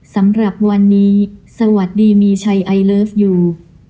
สำหรับวันนี้สวัสดีมีชัยไอเลิฟยู